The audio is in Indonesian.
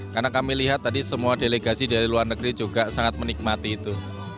karena kami lihat tadi semua delegasi dari luar negeri juga sangat menikmati itu